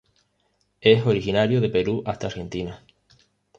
Es originario de Perú hasta Argentina.